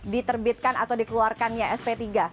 diterbitkan atau dikeluarkannya sp tiga